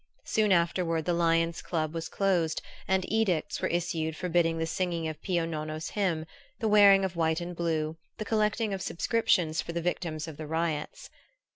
Soon afterward the Lions' Club was closed, and edicts were issued forbidding the singing of Pio Nono's hymn, the wearing of white and blue, the collecting of subscriptions for the victims of the riots.